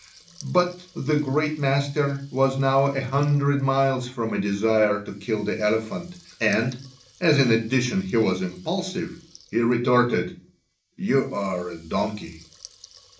But the "great master" was now a hundred miles from a desire to kill the elephant and, as in addition he was impulsive, he retorted: "You are a donkey."